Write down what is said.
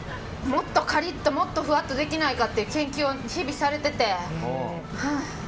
もっとカリッともっとふわっとできないかって研究を日々されていて。